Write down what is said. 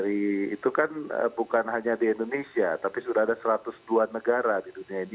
itu kan bukan hanya di indonesia tapi sudah ada satu ratus dua negara di dunia ini